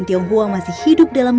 tiongkok juga meng els drew pokemon